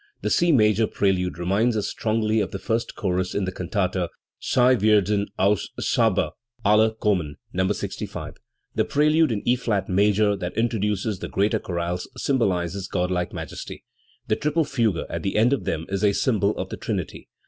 The C major prelude reminds us strongly of the first chorus in the can tata Sie warden aus Saba alle kommen (No. 65). The prelude in E flat major, that introduces the greater chorales, symbolises godlike majesty. The triple fugue at the end of them is a symbol of the Trinity.